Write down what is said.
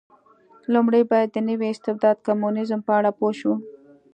لومړی باید د نوي استبداد کمونېزم په اړه پوه شو.